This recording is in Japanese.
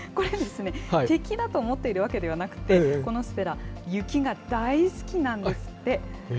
これ、敵だと思っているわけではなくて、このステラ、雪が大好きなんですって。